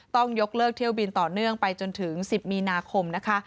ต้องยกเลิกเที่ยวบินต่อเนื่องไปจนถึง๑๐มีนาคมนะคะ